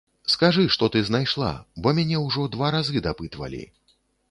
Скажы, што ты знайшла, бо мяне ўжо два разы дапытвалі.